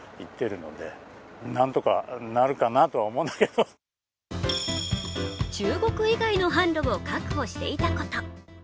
まずは中国以外の販路を確保していたこと。